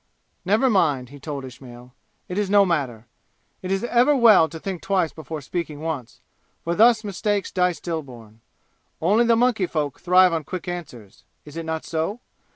"Never mind," he told Ismail. "It is no matter. It is ever well to think twice before speaking once, for thus mistakes die stillborn. Only the monkey folk thrive on quick answers is it not so?